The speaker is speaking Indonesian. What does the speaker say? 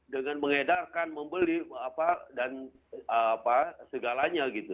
dengan mengedarkan membeli dan segalanya gitu